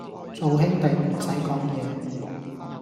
做兄弟唔使講嘢